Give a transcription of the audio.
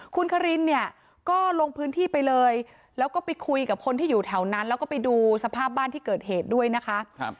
คุณคารินเนี่ยก็ลงพื้นที่ไปเลยแล้วก็ไปคุยกับคนที่อยู่แถวนั้นแล้วก็ไปดูสภาพบ้านที่เกิดเหตุด้วยนะคะ